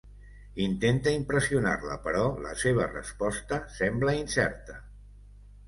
Intenta impressionar-la, però la seva resposta sembla incerta.